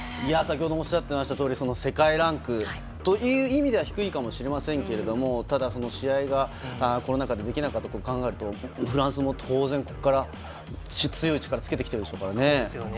世界ランクという意味では低いかもしれませんがただ、試合がコロナ禍でできなかったことを考えるとフランスも当然、ここから強い力をつけているでしょうね。